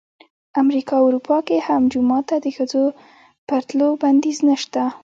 امریکا او اروپا کې هم جومات ته د ښځو پر تلو بندیز نه شته.